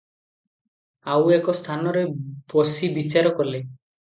ଆଉ ଏକ ସ୍ଥାନରେ ବସି ବିଚାର କଲେ ।